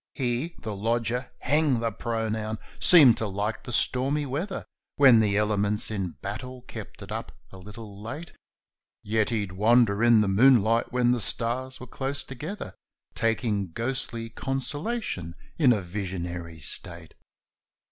He (the lodger hang the pronoun !) seemed to like the stormy weather, When the elements in battle kept it up a little late; Yet he'd wander in the moonlight when the stars were close together, Taking ghostly consolation in a visionary state.